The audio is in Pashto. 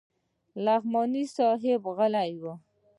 نعماني صاحب غلى و.